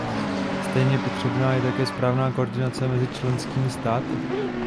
Stejně potřebná je také správná koordinace mezi členskými státy.